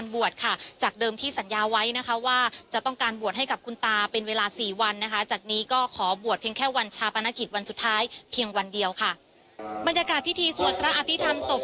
บรรยากาศพิธีสวดพระอภิษฐรรมศพ